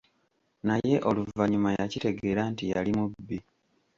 Naye oluvannyuma yakitegeera nti yali mubbi.